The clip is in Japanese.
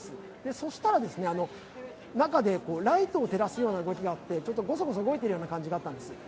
そしたら、中でライトを照らすような動きがあってごそごそ動いているような動きがあったんです。